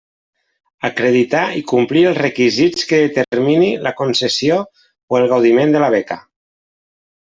Acreditar i complir els requisits que determini la concessió o el gaudiment de la beca.